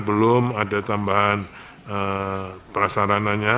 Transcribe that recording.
belum ada tambahan prasarananya